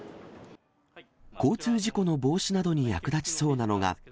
交通事故の防止などに役立ちそうなのが。